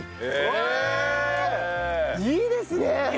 いいですね！